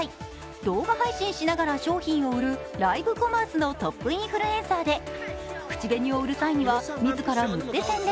動画配信しながら商品を売るライブコマースのトップインフルエンサーで口紅を塗る際には自ら塗って宣伝。